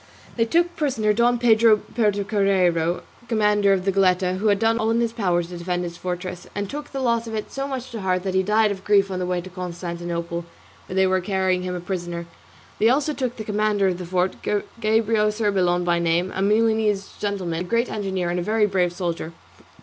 They took prisoner Don Pedro Puertocarrero, commandant of the Goletta, who had done all in his power to defend his fortress, and took the loss of it so much to heart that he died of grief on the way to Constantinople, where they were carrying him a prisoner. They also took the commandant of the fort, Gabrio Cerbellon by name, a Milanese gentleman, a great engineer and a very brave soldier.